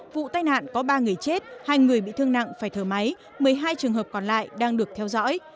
vụ tai nạn có ba người chết hai người bị thương nặng phải thở máy một mươi hai trường hợp còn lại đang được theo dõi